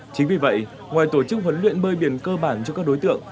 chính vì vậy ngoài tổ chức huấn luyện bơi biển cơ bản cho các đối tượng